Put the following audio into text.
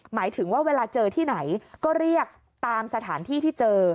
หมายถึงว่าเวลาเจอที่ไหนก็เรียกตามสถานที่ที่เจอ